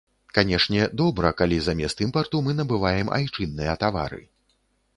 Канешне, добра, калі замест імпарту мы набываем айчынныя тавары.